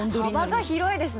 幅が広いですね。